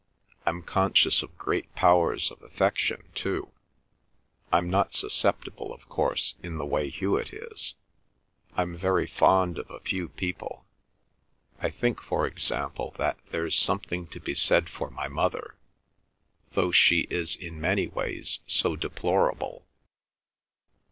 I'm conscious of great powers of affection too. I'm not susceptible, of course, in the way Hewet is. I'm very fond of a few people. I think, for example, that there's something to be said for my mother, though she is in many ways so deplorable.